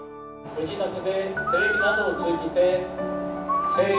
ご自宅でテレビなどを通じて声援を。